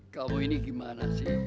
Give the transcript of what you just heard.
kamu ini gimana sih